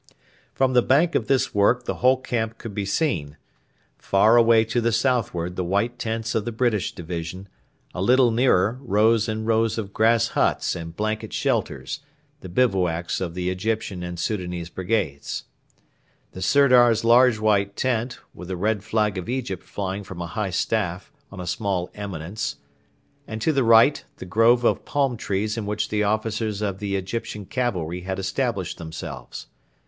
From the bank of this work the whole camp could be seen. Far away to the southward the white tents of the British division; a little nearer rows and rows of grass huts and blanket shelters, the bivouacs of the Egyptian and Soudanese brigades; the Sirdar's large white tent, with the red flag of Egypt flying from a high staff, on a small eminence; and to the right the grove of palm trees in which the officers of the Egyptian cavalry had established themselves.